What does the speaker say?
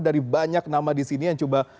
dari banyak nama di sini yang coba